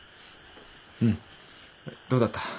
うんどうだった？